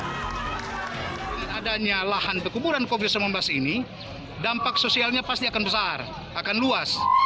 dengan adanya lahan pekuburan covid sembilan belas ini dampak sosialnya pasti akan besar akan luas